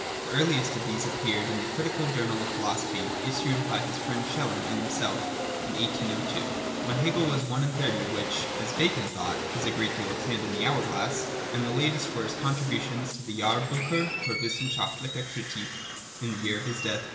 The earliest of these appeared in the Critical Journal of Philosophy, issued by his friend Schelling and himself, in 1802 — when Hegel was one and thirty, which, as Bacon thought, ' is a great deal of sand in the hour glass '; and the latest were his contributions to the Jahrbiicher fur wissenschaftliche Kritik, in the year of his death (1831).